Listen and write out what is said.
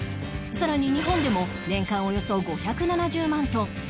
さらに日本でも年間およそ５７０万トン